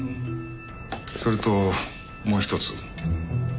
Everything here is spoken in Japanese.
それともう一つ。